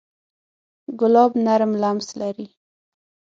ګلاب نرم لمس لري.